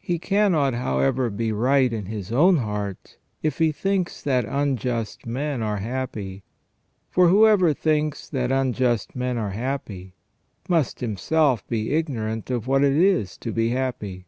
He cannot, however, be right in his own heart if he thinks that unjust men are happy ; for whoever thinks that unjust men are happy must himself be ignorant of what it is to be happy.